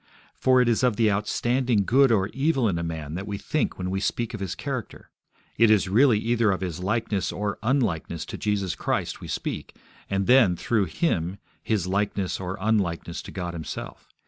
For it is of the outstanding good or evil in a man that we think when we speak of his character. It is really either of his likeness or unlikeness to Jesus Christ we speak, and then, through Him, his likeness or unlikeness to God Himself.